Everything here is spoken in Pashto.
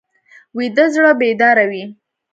ویده زړه بیداره وي